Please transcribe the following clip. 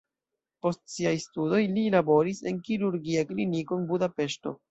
Post siaj studoj li laboris en kirurgia kliniko en Budapeŝto.